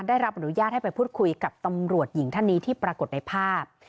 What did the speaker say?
ได้รับอนุญาตให้ไปพูดคุยกับตำรวจหญิงท่านนี้ที่ปรากฏในภาพ